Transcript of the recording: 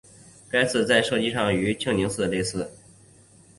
该寺在设计上与庆宁寺类似。